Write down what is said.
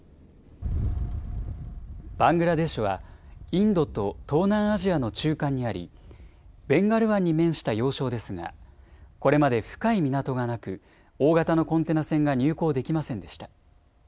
バングラデシュはインドと東南アジアの中間にありベンガル湾に面した要衝ですがこれまで深い港がなく大型のコンテナ船が入港できませんでした。